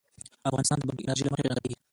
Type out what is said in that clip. افغانستان د بادي انرژي له مخې پېژندل کېږي.